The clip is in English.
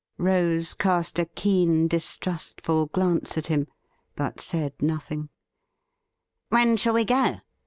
Rose cast a keen, distrustful glance at him, but said nothing. ' When shall we go